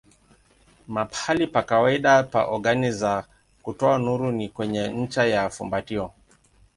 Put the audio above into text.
Mahali pa kawaida pa ogani za kutoa nuru ni kwenye ncha ya fumbatio.